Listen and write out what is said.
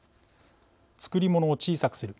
作り物を小さくする。